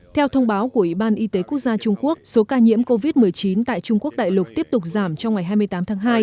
theo thông báo của ủy ban y tế quốc gia trung quốc số ca nhiễm covid một mươi chín tại trung quốc đại lục tiếp tục giảm trong ngày hai mươi tám tháng hai